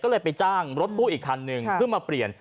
ก็เลยไปจ้างรถตู้อีกคันหนึ่งขึ้นมาเปลี่ยน